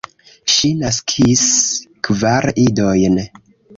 Ŝi naskis kvar idojn.